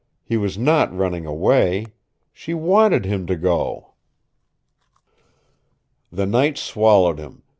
He was not running away. She WANTED him to go! The night swallowed him.